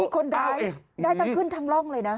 คนร้ายได้ทั้งขึ้นทั้งร่องเลยนะ